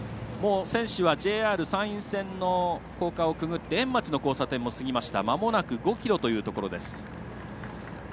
選手はＪＲ山陰線の高架くぐって、円町の交差点も過ぎました、まもなく５ｋｍ。